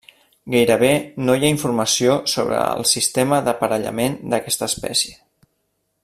Gairebé no hi ha informació sobre el sistema d'aparellament d'aquesta espècie.